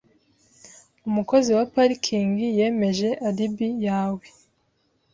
Umukozi wa parikingi yemeje alibi yawe .